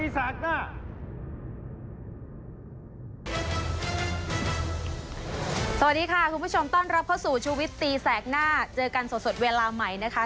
สวัสดีค่ะคุณผู้ชมต้อนรับเข้าสู่ชูวิตตีแสกหน้าเจอกันสดเวลาใหม่นะคะ